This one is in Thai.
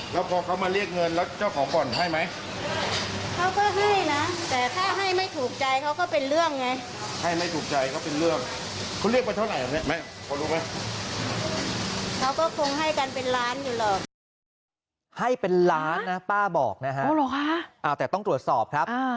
ให้เป็นร้านนะป้าบอกนะฮะอ้าวแต่ต้องตรวจสอบครับ